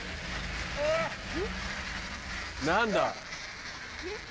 ・何だ？